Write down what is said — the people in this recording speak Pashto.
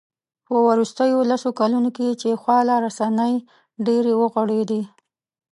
په وروستیو لسو کلونو کې چې خواله رسنۍ ډېرې وغوړېدې